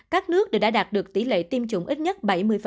các nước đều đã đạt được tỷ lệ tiêm chủng ít nhất bảy mươi